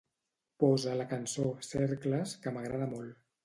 Posa la cançó "Cercles", que m'agrada molt.